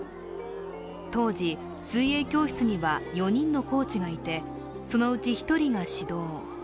当時、水泳教室には４人のコーチがいてそのうち１人が指導。